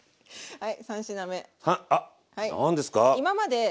はい。